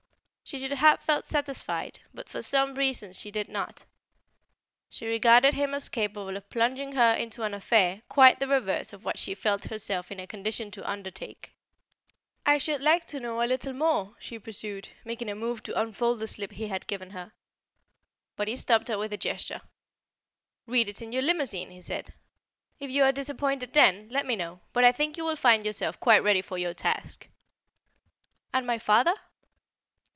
She should have felt satisfied, but for some reason she did not. She regarded him as capable of plunging her into an affair quite the reverse of what she felt herself in a condition to undertake. "I should like to know a little more," she pursued, making a move to unfold the slip he had given her. But he stopped her with a gesture. "Read it in your limousine," said he. "If you are disappointed then, let me know. But I think you will find yourself quite ready for your task." "And my father?"